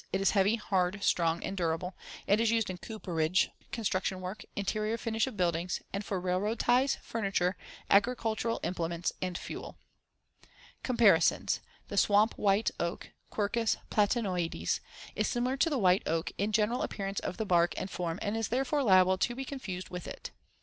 It is heavy, hard, strong and durable and is used in cooperage, construction work, interior finish of buildings and for railroad ties, furniture, agricultural implements and fuel. Comparisons: The swamp white oak (Quercus platanoides) is similar to the white oak in general appearance of the bark and form and is therefore liable to be confused with it.